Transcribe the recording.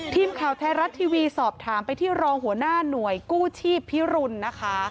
ทีมข่าวไทยรัฐทีวีสอบถามไปที่รองหัวหน้าหน่วยกู้ชีพพิรุณนะคะ